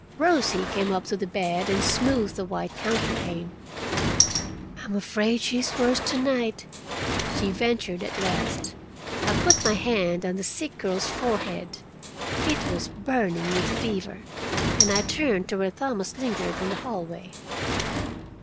Rosie came up to the bed and smoothed the white counterpane. "I am afraid she is worse to night," she ventured at last. I put my hand on the sick girl's forehead. It was burning with fever, and I turned to where Thomas lingered in the hallway.